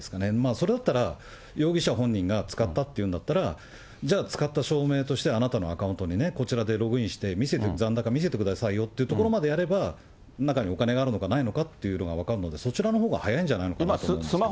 それだったら、容疑者本人が使ったっていうんだったら、じゃあ、使った証明として、あなたのアカウントをこちらでログインして、残高見せてくださいよというところまでやれば、中にお金があるのかないのかっていうのが分かるので、そちらのほうが早いんじゃないかなと。